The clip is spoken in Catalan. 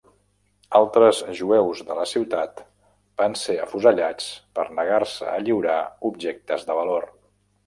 Altres jueus de la ciutat van ser afusellats per negar-se a lliurar objectes de valor.